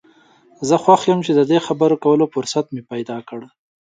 زه خوښ یم چې د دې خبرو کولو فرصت مې پیدا کړ.